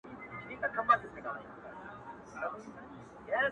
زه خو پاچا نه؛ خپلو خلگو پر سر ووهلم!!